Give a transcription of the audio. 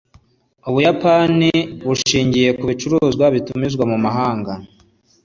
ubuyapani bushingiye ku bicuruzwa bitumizwa mu mahanga